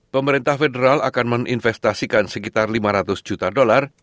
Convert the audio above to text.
pemerintah federal akan menginvestasikan sekitar lima ratus juta dolar